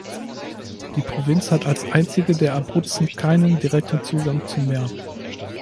Die Provinz hat als einzige der Abruzzen keinen direkten Zugang zum Meer.